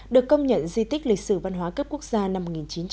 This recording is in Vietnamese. được công nhận di tích lịch sử văn hóa cấp quốc gia năm một nghìn chín trăm chín mươi